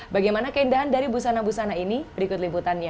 bagaimana keindahan dari busana busana ini berikut liputannya